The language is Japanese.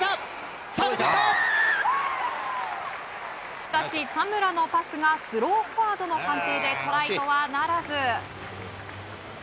しかし田村のパスがスローファウルとの判定でトライとはならず。